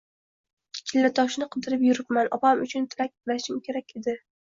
Chillatoshni qidirib yuribman, opam uchun tilak tilashim kerak edi